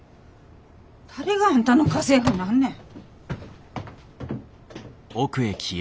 誰があんたの家政婦になんねん！